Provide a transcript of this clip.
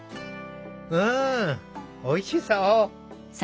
うんおいしそう。